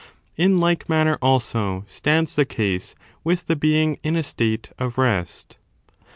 In like manner, also, stands the case with the being in a state of rest.